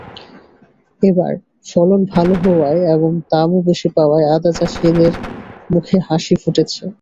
এবার ফলন ভালো হওয়ায় এবং দামও বেশি পাওয়ায় আদাচাষির মুখে হাসি ফুটেছে।